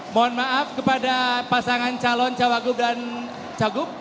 mohon maaf kepada pasangan calon cawagub dan cagub